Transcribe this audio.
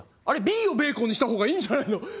あれＢをベーコンにした方がいいんじゃないの？